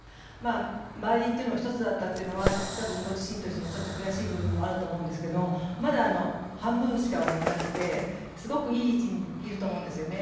バーディーが１つだったというのが多分ご自身としても悔しい部分もあると思うんですけどまだ、半分しか終わってなくてすごくいい位置にいると思うんですよね。